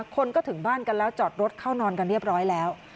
คนก็ถึงบ้านกันแล้วจอดรถเข้านอนกันเรียบร้อยแล้ว